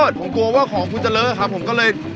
จะเอาอะไรอีก